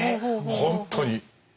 本当に。